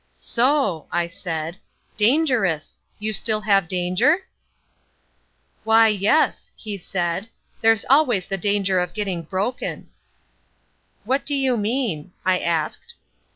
"So!" I said. "Dangerous! You still have danger?" "Why, yes," he said, "there's always the danger of getting broken." "What do you mean," I asked.